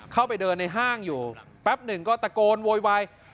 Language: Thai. เข้าไปเดินในห้างอยู่แป๊บหนึ่งก็ตะโกนโวยวาย